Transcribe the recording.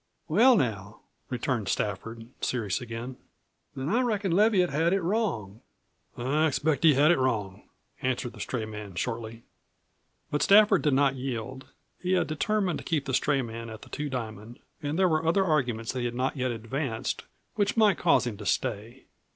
"Well, now," returned Stafford, serious again; "then I reckon Leviatt had it wrong." "I expect he had it wrong," answered the stray man shortly. But Stafford did not yield. He had determined to keep the stray man at the Two Diamond and there were other arguments that he had not yet advanced which might cause him to stay.